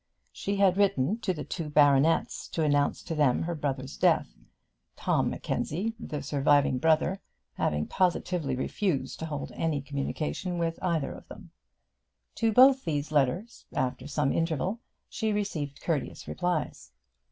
She had written to the two baronets to announce to them her brother's death, Tom Mackenzie, the surviving brother, having positively refused to hold any communication with either of them. To both these letters, after some interval, she received courteous replies.